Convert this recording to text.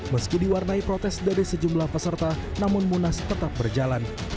meski diwarnai protes dari sejumlah peserta namun munas tetap berjalan